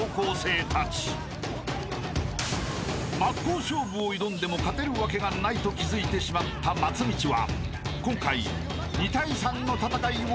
［真っ向勝負を挑んでも勝てるわけがないと気付いてしまった松道は今回］